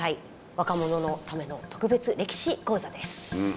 若者のための特別歴史講座です。